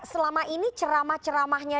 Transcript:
selama ini ceramah ceramahnya